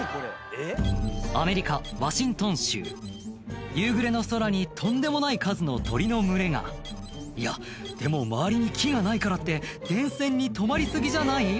アメリカワシントン州夕暮れの空にとんでもない数の鳥の群れがいやでも周りに木がないからって電線に止まり過ぎじゃない？